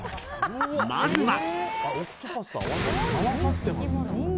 まずは。